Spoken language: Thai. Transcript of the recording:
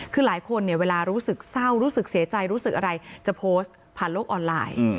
คือหลายคนเนี่ยเวลารู้สึกเศร้ารู้สึกเสียใจรู้สึกอะไรจะโพสต์ผ่านโลกออนไลน์